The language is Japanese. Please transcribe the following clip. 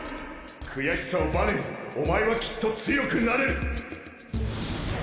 悔しさをバネにお前はきっと強くなれる！